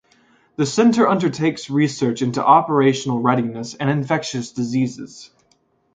The center undertakes research into operational readiness and infectious diseases.